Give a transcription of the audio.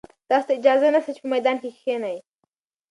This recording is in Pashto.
تاسي ته اجازه نشته چې په میدان کې کښېنئ.